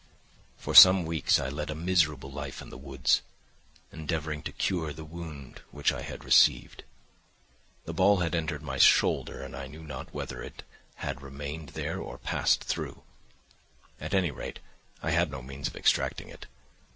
"For some weeks I led a miserable life in the woods, endeavouring to cure the wound which I had received. The ball had entered my shoulder, and I knew not whether it had remained there or passed through; at any rate I had no means of extracting it.